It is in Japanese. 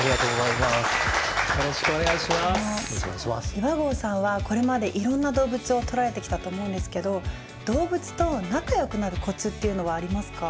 岩合さんはこれまでいろんな動物を撮られてきたと思うんですけど動物と仲よくなるコツっていうのはありますか？